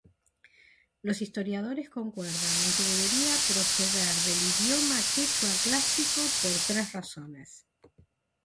Los historiadores concuerdan en que debería proceder del idioma quechua clásico por tres razones.